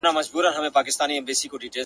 چي یو روح خلق کړو او بل روح په عرش کي ونڅوو؛